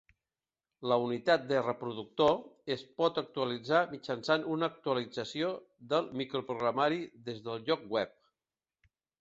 La unitat de reproductor es pot actualitzar mitjançant una actualització del microprogramari des del lloc web.